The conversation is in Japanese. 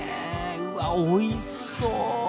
うわおいしそう！